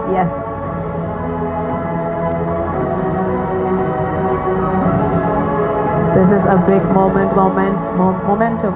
sekali lagi satu dua tiga